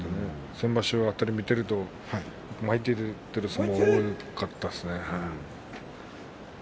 先場所辺り見ていると前に出る相撲が多かったですね。